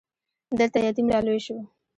دلته يتيم را لوی شو.